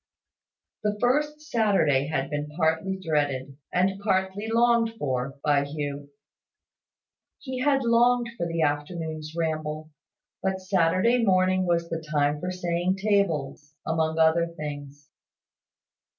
The first Saturday had been partly dreaded, and partly longed for, by Hugh. He had longed for the afternoon's ramble; but Saturday morning was the time for saying tables, among other things.